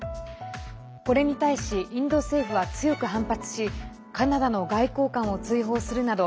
これに対しインド政府は強く反発しカナダの外交官を追放するなど